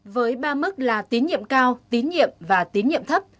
với ba mức là tín nhiệm cao tín nhiệm và tín nhiệm thấp